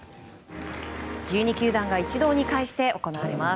１２球団が一堂に会して行われます。